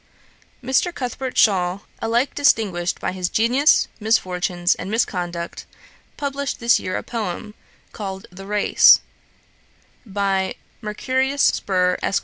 Mr. Cuthbert Shaw, alike distinguished by his genius, misfortunes, and misconduct, published this year a poem, called The Race, by 'Mercurius Spur, Esq.